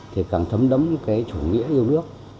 thì càng thấm đấm cái chủ nghĩa yêu nước